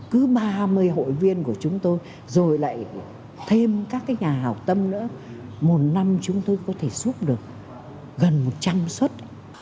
cứ ba mươi hội viên của chúng tôi rồi lại thêm các cái nhà hào tâm nữa một năm chúng tôi có thể giúp được gần một trăm linh xuất